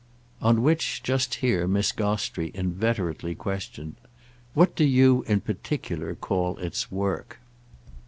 On which, just here, Miss Gostrey inveterately questioned. "What do you, in particular, call its work?"